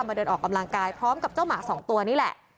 เดินออกกำลังกายพร้อมกับเจ้าหมาสองตัวนี่แหละ